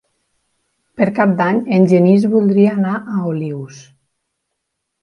Per Cap d'Any en Genís voldria anar a Olius.